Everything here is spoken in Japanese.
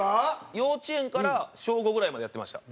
幼稚園から小５ぐらいまでやってました。